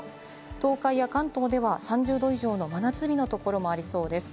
東海や関東では３０度以上の真夏日のところもありそうです。